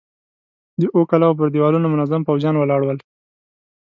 د اوو کلاوو پر دېوالونو منظم پوځيان ولاړ ول.